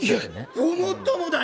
ごもっともだよ。